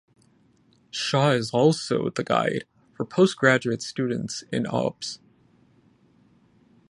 Shah is also the guide for postgraduate students in Obs.